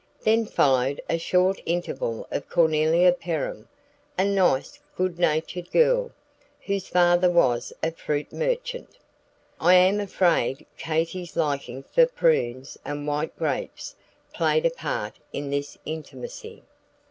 Then followed a short interval of Cornelia Perham, a nice, good natured girl, whose father was a fruit merchant. I am afraid Katy's liking for prunes and white grapes played a part in this intimacy.